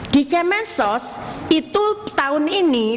di kemensos itu tahun ini